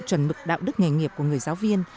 chuẩn mực đạo đức nghề nghiệp của người giáo viên